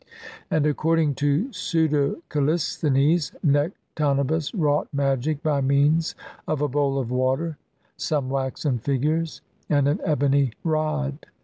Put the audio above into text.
And, according to Pseudo Callisthenes, 3 Nectane bus wrought magic by means of a bowl of water, some waxen figures, and an ebony rod.